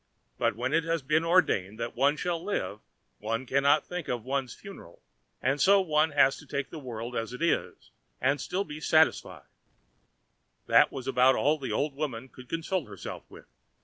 But when it has been ordained that one shall live, one cannot think of one's funeral; and so one has to take the world as it is, and still be satisfied; and that was about all the old woman could console herself with.